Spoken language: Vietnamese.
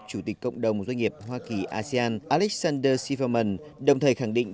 chủ tịch cộng đồng doanh nghiệp hoa kỳ asean alexander sivamon đồng thời khẳng định